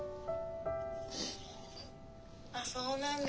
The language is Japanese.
あっそうなんだ。